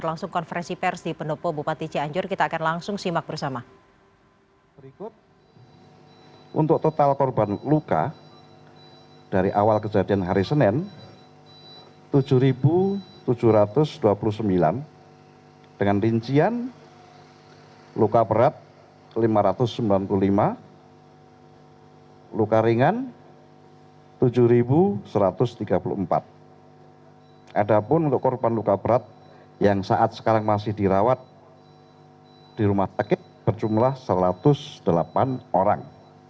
ada pun untuk korban luka berat yang saat sekarang masih dirawat di rumah tekit berjumlah satu ratus delapan orang